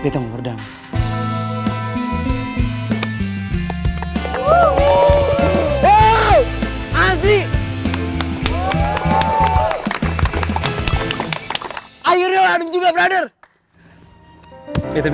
sampai jumpa di video selanjutnya